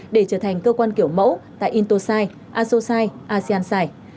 để trở thành cơ quan kiểu mẫu tại intosite asosite aseansite